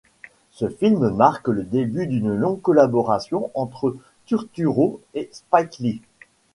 Ce film marque le début d'une longue collaboration entre Turturro et Spike Lee.